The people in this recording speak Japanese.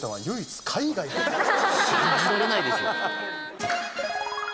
信じられないですよ。